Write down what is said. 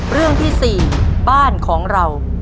เรื่องที่๔บ้านของเรา